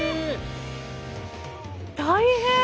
大変！